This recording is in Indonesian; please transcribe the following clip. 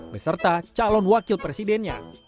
beserta calon wakil presidennya